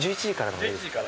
１１時からです。